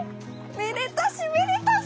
めでたしめでたし！